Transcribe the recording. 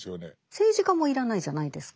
政治家も要らないじゃないですか。